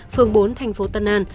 phường bốn tp tân an